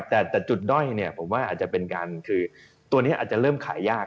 แต่จุดด้อยเนี่ยผมว่าอาจจะเป็นการคือตัวนี้อาจจะเริ่มขายยาก